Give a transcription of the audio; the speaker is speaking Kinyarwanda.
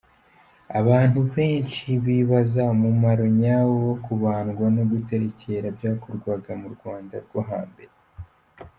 Abantu benshi, bibaza umumaro nyawo wo kubandwa no guterekera, byakorwaga mu Rwanda rwo hambere.